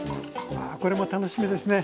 これも楽しみですね。